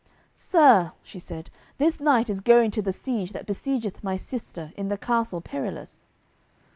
"Sir," she said, "this knight is going to the siege that besiegeth my sister in the Castle Perilous."